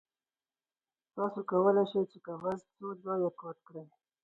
تاسو کولی شئ چې کاغذ څو ځایه قات کړئ.